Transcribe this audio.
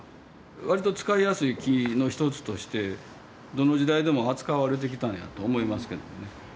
わりと使いやすい木の一つとしてどの時代でも扱われてきたんやと思いますけどね。